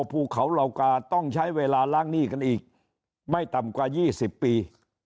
ภูเขาเหล่ากาต้องใช้เวลาล้างหนี้กันอีกไม่ต่ำกว่า๒๐ปี